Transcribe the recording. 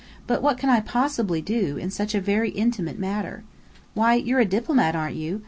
"But what can I possibly do in in such a very intimate matter?" "Why, you're a diplomat, aren't you?